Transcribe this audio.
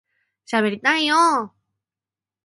しゃべりたいよ～